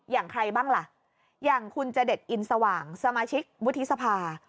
อย่างใครบ้างล่ะอย่างคุณจเด็ดอินสว่างสมาชิกวุฒิสภา